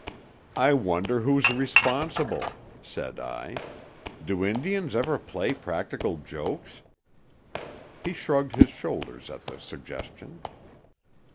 "I wonder who's responsible?" said I. "Do Indians ever play practical jokes?" He shrugged his shoulders at the suggestion.